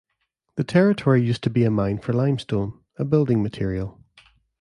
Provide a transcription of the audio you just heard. The territory used to be a mine for limestone, a building material.